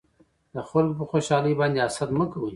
د خلکو په خوشحالۍ باندې حسد مکوئ